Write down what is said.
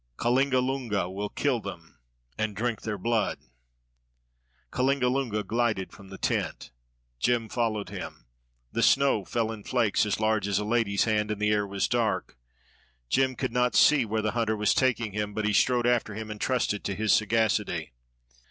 "KALINGALUNGA WILL KILL THEM, AND DRINK THEIR BLOOD." Kalingalunga glided from the tent. Jem followed him. The snow fell in flakes as large as a lady's hand, and the air was dark; Jem could not see where the hunter was taking him, but he strode after him and trusted to his sagacity.